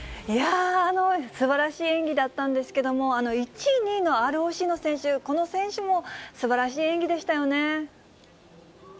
いやー、すばらしい演技だったんですけども、１位、２位のＲＯＣの選手、この選手もすばらしい演技でしたよね。